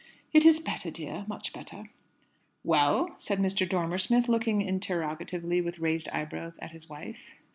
"It is better, dear, much better." "Well?" said Mr. Dormer Smith, looking interrogatively with raised eyebrows at his wife.